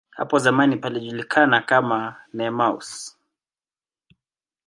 Hapo zamani palijulikana kama "Nemours".